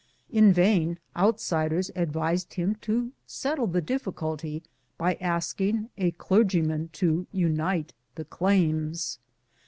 In vain outsiders advised him to settle the difficulty by asking a clergyman to unite the claims.